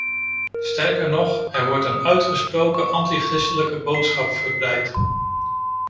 Sterker nog, er wordt een uitgesproken antichristelijke boodschap verbreid.